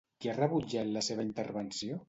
Qui ha rebutjat la seva intervenció?